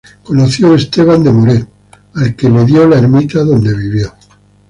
Conoció Esteban de Muret, al que dio la ermita donde vivió.